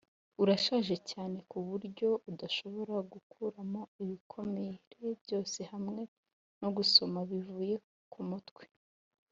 urashaje cyane kuburyo udashobora gukuramo ibikomere byose hamwe no gusomana bivuye kumutwe.